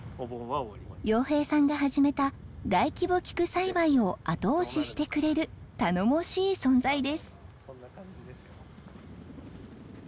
洋平さんが始めた大規模キク栽培を後押ししてくれる頼もしい存在です。